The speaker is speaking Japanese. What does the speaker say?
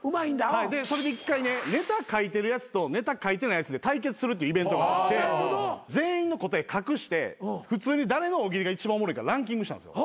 はいでそれで一回ねネタ書いてるやつとネタ書いてないやつで対決するってイベントがあって全員の答え隠して誰の大喜利が一番おもろいかランキングしたんですよ。